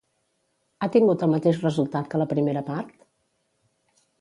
Ha tingut el mateix resultat que la primera part?